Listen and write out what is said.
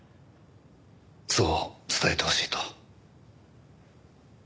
そう伝えてほしいと。